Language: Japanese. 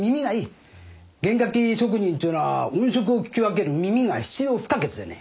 弦楽器職人というのは音色を聞き分ける耳が必要不可欠でね。